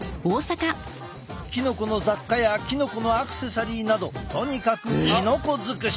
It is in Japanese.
キノコの雑貨やキノコのアクセサリーなどとにかくキノコ尽くし！